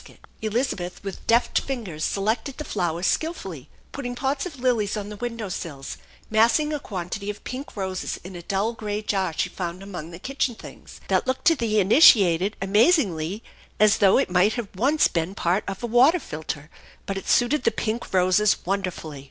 THE ENCHANTED BARN 123 Elizabeth with deft fingers selected the flowers skilfully, put ting pots of lilies on the window sills, massing a quantity of pink roses in a dull gray jar she found among the kitchen things, that looked to the initiated amazingly as though it might once have been part of a water filter, but it suited the pink roses wonderfully.